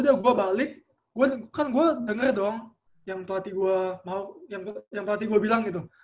udah gue balik kan gue denger dong yang pelatih gue bilang gitu